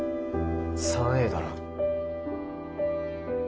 ３Ａだろ。